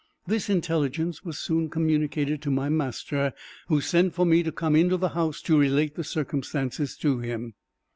This intelligence was soon communicated to my master, who sent for me to come into the house to relate the circumstance to him.